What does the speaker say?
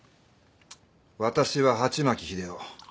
私は鉢巻秀男。